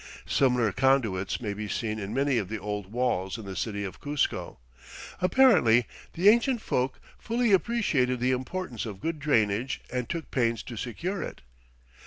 Similar conduits may be seen in many of the old walls in the city of Cuzco. Apparently, the ancient folk fully appreciated the importance of good drainage and took pains to secure it.